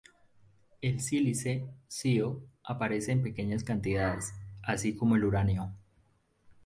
El sílice, SiO, aparece en pequeñas cantidades, así como el uranio.